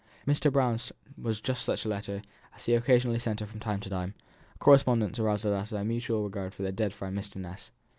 Mr. Brown's was just such a letter as he occasionally sent her from time to time; a correspondence that arose out of their mutual regard for their dead friend Mr. Ness.